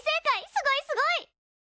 すごいすごい！